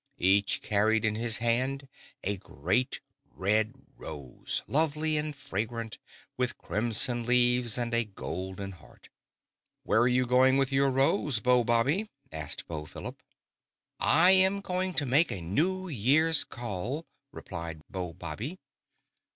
Each carried in his hand a great red rose, lovely and fragrant, with crimson leaves and a golden heart. "Where are you going with your rose, Beau Bobby?" asked Beau Philip. "I am going to make a New Year's call," replied Beau Bobby.